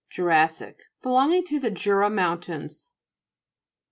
JURA'SSIC Belonging to the Jura mountains.